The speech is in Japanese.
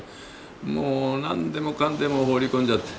もう何でもかんでも放り込んじゃって。